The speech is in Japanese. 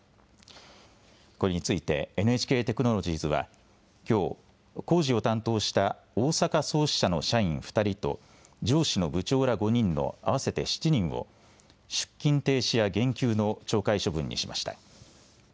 これについてＮＨＫテクノロジーズはきょう、工事を担当した大阪総支社の社員２人と上司の部長ら５人の合わせて７人を出勤停止や減給の懲戒処分にしました。